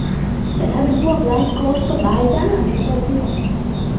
แต่ถ้าเป็นพวกไลฟ์โค้ชก็บายจ้า ไม่เจ้าพวก